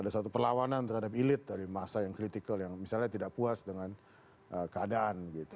ada satu perlawanan terhadap elit dari masa yang kritikal yang misalnya tidak puas dengan keadaan gitu